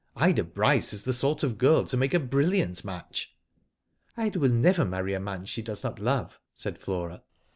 Ida Bryce is the sort of girl to make a brilliant match/' '*Ida will never marry a man she does not love," said Flora.